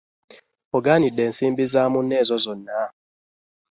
Ogaanidde ensimbi za munno ezo zonna?